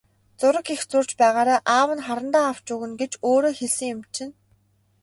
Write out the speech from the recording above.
Зураг их зурж байгаарай, аав нь харандаа авчирч өгнө гэж өөрөө хэлсэн юм чинь.